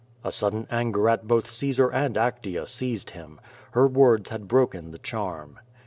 A sudden anger at both Caesar and Actea seized him. Her words had broken the charm.